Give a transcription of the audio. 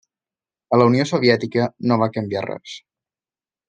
A la Unió Soviètica no va canviar res.